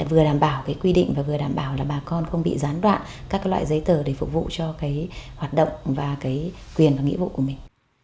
vừa đảm bảo quy định và vừa đảm bảo là bà con không bị gián đoạn các loại giấy tờ để phục vụ cho hoạt động và cái quyền và nghĩa vụ của mình